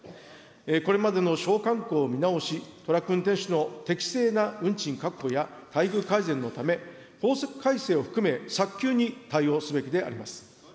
これまでの商慣行を見直し、トラック運転手の適正な運賃確保や待遇改善のため、法改正を含め早急に対応すべきであります。